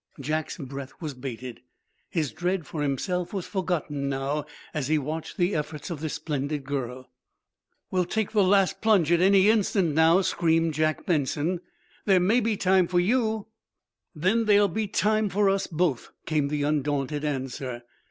Jack's breath was bated. His dread for himself was forgotten now, as he watched the efforts of this splendid girl. "We'll take the last plunge at any instant, now!" screamed Jack Benson. "There may be time for you " "Then there'll be time for us both," came the undaunted answer.